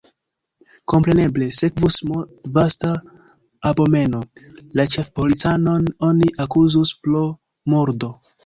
Kompreneble sekvus mondvasta abomeno, la ĉefpolicanon oni akuzus pro murdo.